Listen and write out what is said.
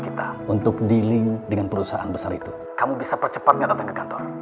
kamu bisa percepat datang ke kantor